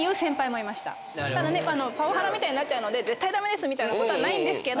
ただねパワハラみたいになるので絶対駄目ですみたいなことはないんですけど。